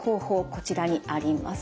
こちらにあります。